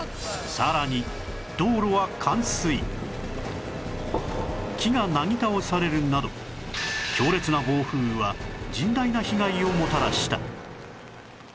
さらに道路は木がなぎ倒されるなど強烈な暴風雨は甚大な被害をもたらした